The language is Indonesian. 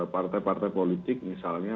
partai partai politik misalnya